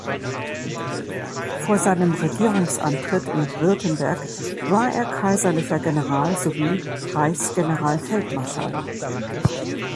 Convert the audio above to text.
Vor seinem Regierungsantritt in Württemberg war er kaiserlicher General sowie Reichsgeneralfeldmarschall.